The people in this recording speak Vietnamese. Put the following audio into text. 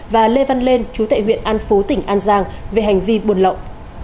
và lê văn lên chú tại huyện an phú tỉnh an giang về hành vi buôn lậu